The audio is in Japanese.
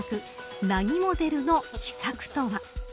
奈義モデルの秘策とは。